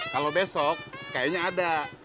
kalau besok kayaknya ada